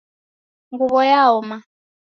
Nguwo yaoma